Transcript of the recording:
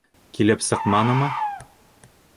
Килеп сыҡманымы?